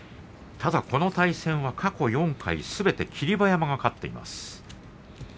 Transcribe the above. ただ、この対戦は過去４回すべて霧馬山が勝っています。